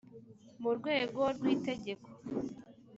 mu rwego rw itegeko